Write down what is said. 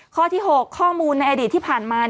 ข้อที่๖ข้อมูลในอดีตที่ผ่านมา